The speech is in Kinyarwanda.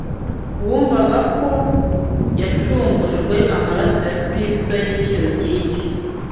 wumvaga ko yacungujwe amaraso ya Kristo y’igiciro cyinshi